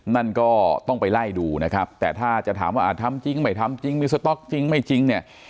นั่นก็ต้องไปไล่ดูนะครับแต่ถ้าจะถามว่าทำจริงไม่ทำจริงมีสต๊อกจริงไม่จริงเนี่ย